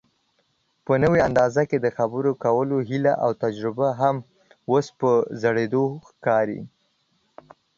په نوي انداز کې دخبرو کولو هيله اوتجربه هم اوس په زړېدو ښکاري